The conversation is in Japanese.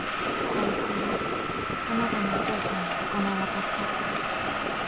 蒼井君があなたのお父さんにお金を渡したって。